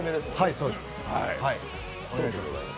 そうです。